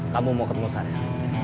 kamu mau ketemu saya